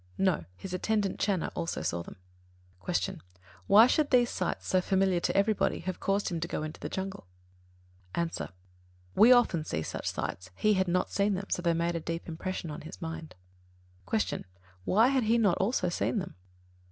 No, his attendant, Channa, also saw them. 37. Q. Why should these sights, so familiar to everybody, have caused him to go to the jungle? A. We often see such sights: he had not seen them, so they made a deep impression on his mind. 38. Q. _Why had he not also seen them?